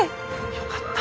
よかった。